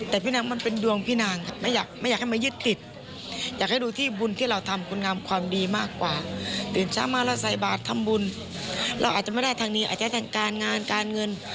แต่พี่นางมันเป็นดวงพี่นาง